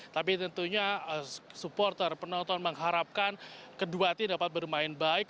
tapi tentunya supporter penonton mengharapkan kedua tim dapat bermain baik